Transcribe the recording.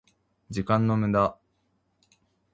時間の無駄